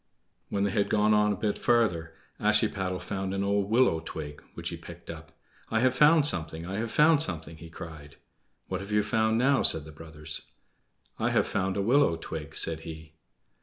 When they had gone on a bit farther Ashiepattle found an old willow twig, which he picked up. "I have found something! I have found something!" he cried. "What have you found now?" said the brothers. "I have found a willow twig," said he.